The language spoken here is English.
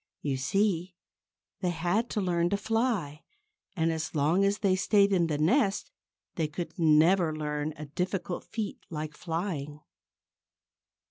You see, they had to learn to fly. And so long as they stayed in the nest they could never learn a difficult feat like flying.